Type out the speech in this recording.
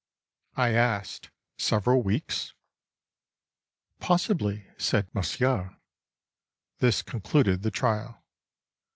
I asked: "Several weeks?" "Possibly," said Monsieur. This concluded the trial.